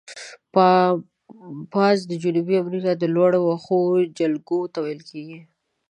پامپاس د جنوبي امریکا د لوړو وښو جلګو ته ویل کیږي.